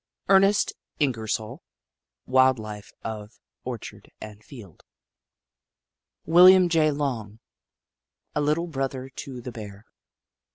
Ernest Ingersoll : Wild Life of Orchard and Field. William J. Long : A Little Brother to the Bear.